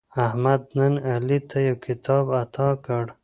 احمد نن علي ته یو کتاب اعطا کړ.